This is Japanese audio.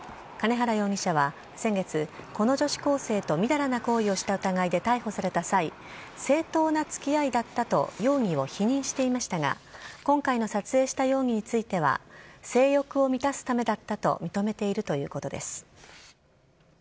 兼原容疑者は先月この女子高生とみだらな行為をした疑いで逮捕された際正当な付き合いだったと容疑を否認していましたが今回の撮影した容疑については性欲を満たすためだったと認めているということです。